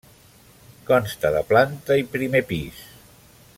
Consta de planta i primer pis.